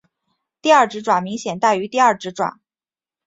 第二指爪明显大于第二指爪。